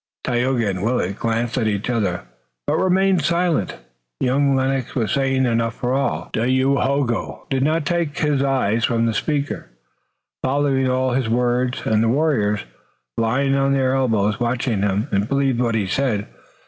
Tayoga and Willet glanced at each other, but remained silent. Young Lennox was saying enough for all three. Dayohogo did not take his eyes from the speaker, following all his words, and the warriors, lying on their elbows, watched him and believed what he said.